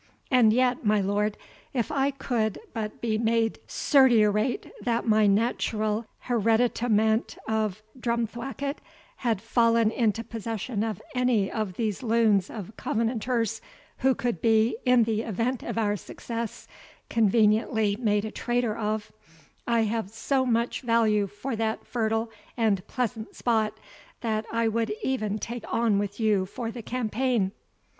And yet, my lord, if I could but be made certiorate that my natural hereditament of Drumthwacket had fallen into possession of any of these loons of Covenanters, who could be, in the event of our success, conveniently made a traitor of, I have so much value for that fertile and pleasant spot, that I would e'en take on with you for the campaign."